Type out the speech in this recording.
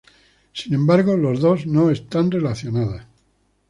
Sin embargo, los dos no están relacionadas.